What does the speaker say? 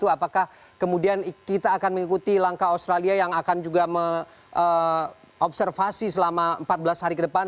apakah kemudian kita akan mengikuti langkah australia yang akan juga mengobservasi selama empat belas hari ke depan